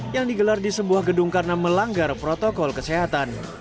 yang digelar di sebuah gedung karena melanggar protokol kesehatan